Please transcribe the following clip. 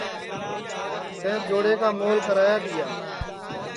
تیں جوڑے کا مول کرایا تیا